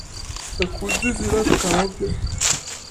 د ښوونځي زینت قلم دی.